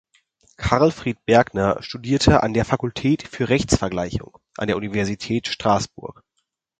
Karlfried Bergner studierte an der "Fakultät für Rechtsvergleichung" an der Universität Strasbourg.